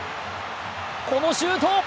このシュート。